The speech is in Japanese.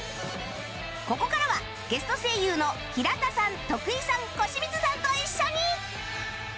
ここからはゲスト声優の平田さん徳井さん小清水さんと一緒に